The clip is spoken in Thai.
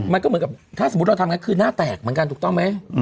มันก็เหมือนกับถ้าสมมุติเราทำงานคือหน้าแตกเหมือนกันถูกต้องไหม